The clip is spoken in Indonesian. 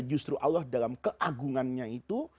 justru allah dalam keagungannya itu